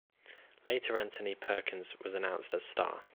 Later Anthony Perkins was announced as star.